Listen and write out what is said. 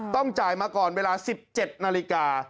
ต้องจ่ายมาก่อนเวลา๑๗นาฬิกา